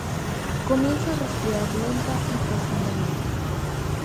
Comienza a respirar lenta y profundamente.